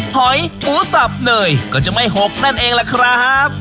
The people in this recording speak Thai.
หอยหมูสับเนยก็จะไม่หกนั่นเองล่ะครับ